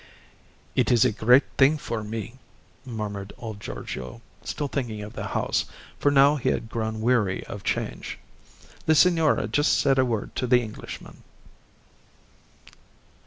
"It is a great thing for me," murmured old Giorgio, still thinking of the house, for now he had grown weary of change. "The signora just said a word to the Englishman."